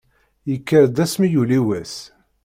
Yekker-d asmi yuli wass.